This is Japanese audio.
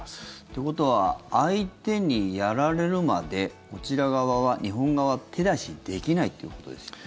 ということは相手にやられるまでこちら側は、日本側は手出しできないということですよね。